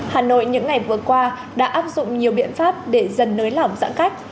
hà nội những ngày vừa qua đã áp dụng nhiều biện pháp để dần nới lỏng giãn cách